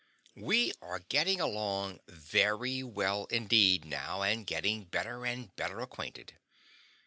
We are getting along very well indeed, now, and getting better and better acquainted.